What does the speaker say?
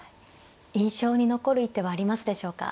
印象に残る一手はありますでしょうか。